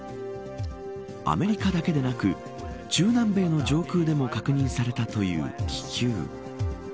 アメリカだけでなく中南米の上空でも確認されたという気球。